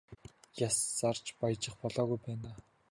Яс зарж баяжих болоогүй байна аа.